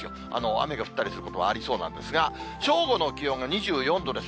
雨が降ったりすることもありそうなんですが、正午の気温が２４度です。